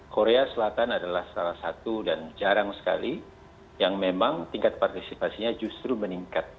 korea selatan adalah salah satu dan jarang sekali yang memang tingkat partisipasinya justru meningkat